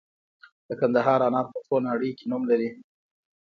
د کندهار انار په ټوله نړۍ کې نوم لري.